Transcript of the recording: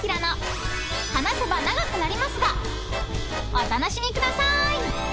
［お楽しみくださーい］